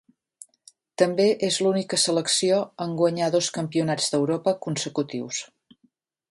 També és l'única selecció en guanyar dos Campionats d'Europa consecutius.